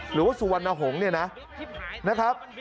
หรือว่าสุวรรณหงษ์เนี่ยนะครับ